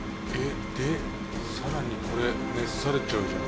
でさらにこれ熱されちゃうじゃん。